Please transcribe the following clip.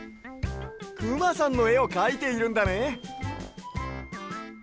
くまさんのえをかいているんだね。